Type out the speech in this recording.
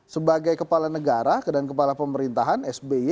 sebagai kepala negara dan kepala pemerintahan sby